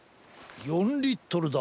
４リットルだ。